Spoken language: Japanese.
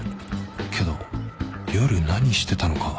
けど夜何してたのかは